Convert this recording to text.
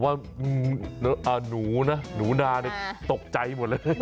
ผมว่าหนูนาตกใจหมดเลย